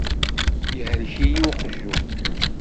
Yehlek-iyi uqjun.